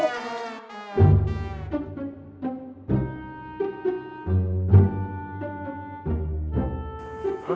kembali ke rumah